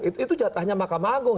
itu jatahnya mahkamah agung